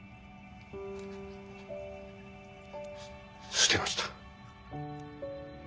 捨てました。